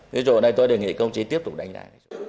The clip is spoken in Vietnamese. với chỗ này tôi đề nghị công chí tiếp tục đánh giá